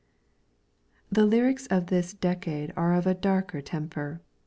The Ijnrics of this decade are of a darker temper.